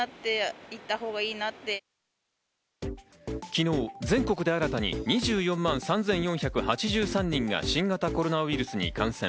昨日全国で新たに２４万３４８３人が新型コロナウイルスに感染。